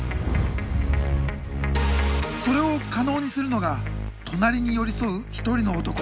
それを可能にするのが隣に寄り添う一人の男。